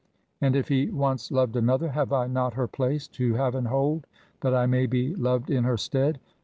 And if he once loved another, have I not her place, to have and hold, that I may be loved in her stead?